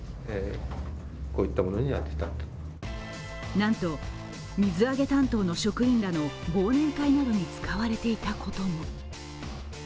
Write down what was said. なんと水揚げ担当の職員らの忘年会などに使われていたことも。